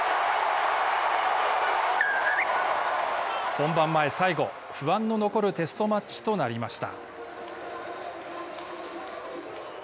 本番前最後、不安の残るテストマッチとなりました。